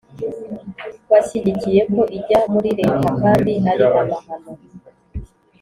bashyigikiye ko ijya muri leta kandi ari amahano